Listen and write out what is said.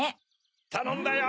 たのんだよ！